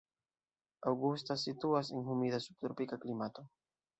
Augusta situas en humida subtropika klimato.